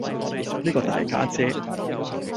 呢個大家姐